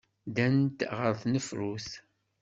Ddant ɣer tnefrut.